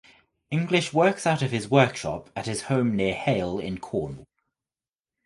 English works out of his workshop at his home near Hayle in Cornwall.